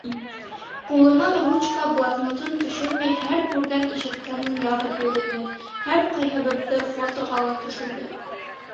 Ҡулынан ручка, блокнотын төшөрмәй һәр күргән-ишеткәнен яҙып йөрөнө, һәр ҡайһыбыҙҙы фотоға ла төшөрҙө.